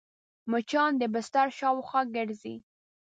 مچان د بستر شاوخوا ګرځي